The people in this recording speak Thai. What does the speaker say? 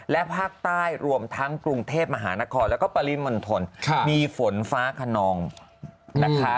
และภาคใต้รวมทั้งกรุงเทพมหานครแล้วก็ปริมณฑลมีฝนฟ้าขนองนะคะ